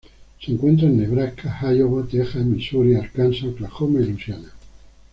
Se encuentra en Nebraska, Iowa, Texas, Misuri, Arkansas, Oklahoma y Luisiana.